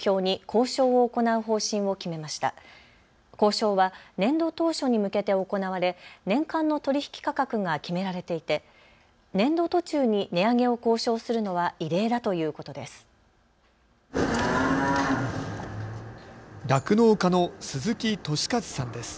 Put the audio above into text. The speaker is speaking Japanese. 交渉は年度当初に向けて行われ年間の取引価格が決められていて年度途中に値上げを交渉するのは異例だということです。